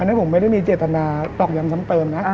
อันนี้ผมไม่ได้มีเจตนาตอกย้ำซ้ำเติมนะ